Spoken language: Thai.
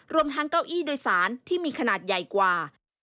รวมทั้งเก้าอี้โดยสารที่มีขนาดใหญ่กว่า